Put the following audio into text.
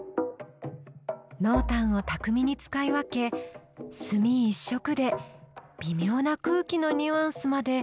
濃淡を巧みに使い分け墨一色で微妙な空気のニュアンスまで見事に表してますね。